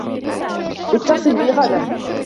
اتصل بي غداً.